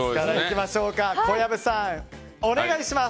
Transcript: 小籔さん、お願いします。